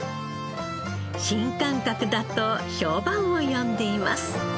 新感覚だと評判を呼んでいます。